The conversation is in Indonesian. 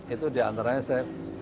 itu diantaranya saya